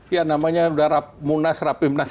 ya namanya udah munas rapimnas